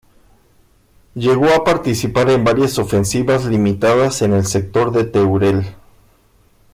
Llegó a participar en varias ofensivas limitadas en el sector de Teruel.